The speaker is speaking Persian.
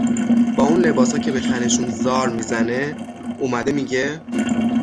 با اون لباسا که به تنشون زار می زنه، اومده می گه